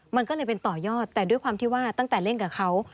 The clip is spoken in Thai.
มันก็เลยเป็นต่อยอดแต่ด้วยความที่ว่าตั้งแต่เล่นกับเขา